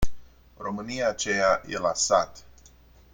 România aceea e la sat.